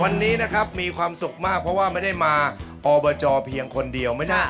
วันนี้นะครับมีความสุขมากเพราะว่าไม่ได้มาอบจเพียงคนเดียวไม่ได้